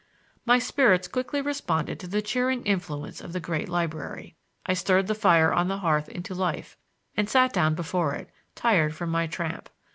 My spirits quickly responded to the cheering influence of the great library. I stirred the fire on the hearth into life and sat down before it, tired from my tramp.